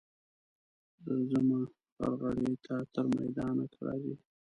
درځمه غرغړې ته تر میدانه که راځې.